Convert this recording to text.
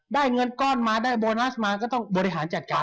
เงินก้อนมาได้โบนัสมาก็ต้องบริหารจัดการ